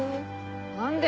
何で？